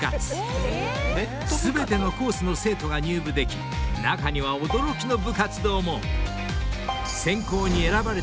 ［全てのコースの生徒が入部でき中には驚きの部活動も］